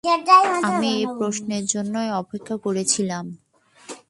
আমি এই প্রশ্নটার জন্যই অপেক্ষা করছিলাম।